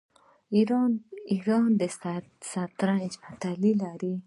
ایران د شطرنج اتلان لري.